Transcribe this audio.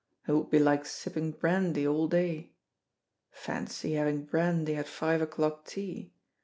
It would be like sipping brandy all day. Fancy having brandy at five o'clock tea.